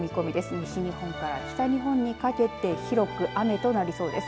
西日本から北日本にかけて広く雨となりそうです。